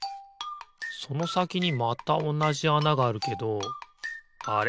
そのさきにまたおなじあながあるけどあれ？